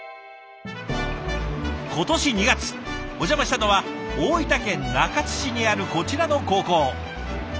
今年２月お邪魔したのは大分県中津市にあるこちらの高校。